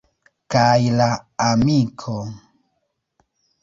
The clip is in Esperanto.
Kaj la amiko!